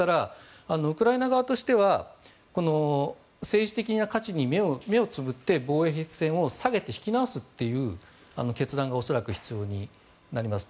ウクライナ側としては政治的な価値に目をつぶって防衛線を下げて引き直すという決断が恐らく必要になると思います。